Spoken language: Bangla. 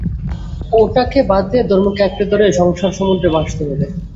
ওটাকে বাদ দিয়ে ধর্মকে আঁকড়ে ধরে সংসারসমুদ্রে ভাসতে হবে।